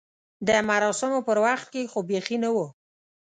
د مراسمو پر وخت کې خو بیخي نه و.